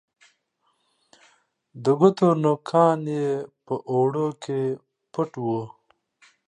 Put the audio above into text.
د ګوتو نوکان یې په اوړو کې پټ وه